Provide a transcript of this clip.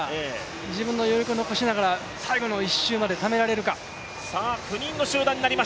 自分の余力を残しながら、最後の１周までためられるか。